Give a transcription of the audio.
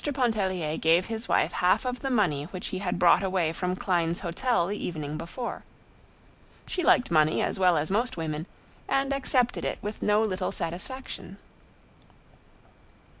Pontellier gave his wife half of the money which he had brought away from Klein's hotel the evening before. She liked money as well as most women, and accepted it with no little satisfaction.